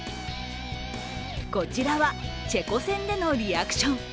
こちらはチェコ戦でのリアクション。